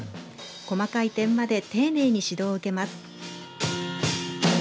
細かい点まで丁寧に指導を受けます。